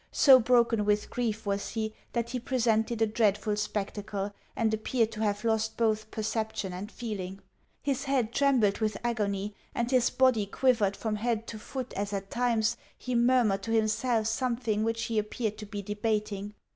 So broken with grief was he that he presented a dreadful spectacle, and appeared to have lost both perception and feeling. His head trembled with agony, and his body quivered from head to foot as at times he murmured to himself something which he appeared to be debating.